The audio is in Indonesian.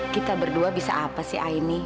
kita berdua bisa apa sih aini